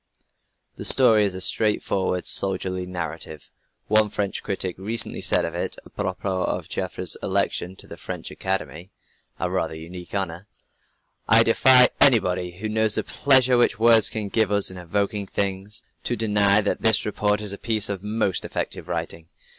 The story is a straightforward soldierly narrative. One French critic recently said of it, apropos of Joffre's election to the French Academy, a rather unique honor: "I defy anybody who knows the pleasure which words can give us in evoking things, to deny that this report is a piece of most effective writing.